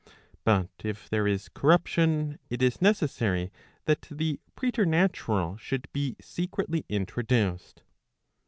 But if there is corruption, it is necessary that the preternatural should be secretly introduced.